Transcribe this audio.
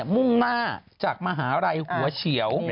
มุ่งหน้าจากมหาลัยหัวเฉียว